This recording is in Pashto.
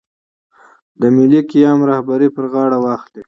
د ملي قیام رهبري پر غاړه واخلي.